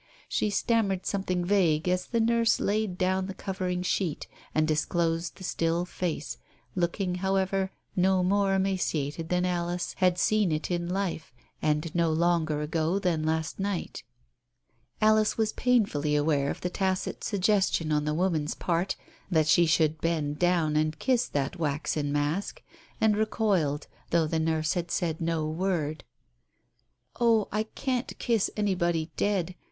She stammered something vague as the nurse laid down the covering sheet, and disclosed the still face, looking, however, no more emaciated than Alice had seen it in life and no longer ago than last night. Alice was painfully aware of the tacit suggestion on the woman's part that she should bend down and kiss that waxen mask, and recoiled, though the nurse had said no word. "Oh, I can't kiss anybody dead. ..